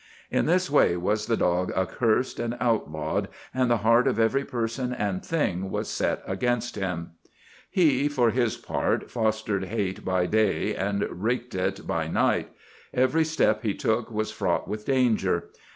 In this way was the dog accursed and outlawed, and the heart of every person and thing was set against him. He, for his part, fostered hate by day and wreaked it by night. Every step he took was fraught with danger.